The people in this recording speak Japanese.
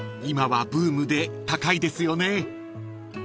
［今はブームで高いですよね］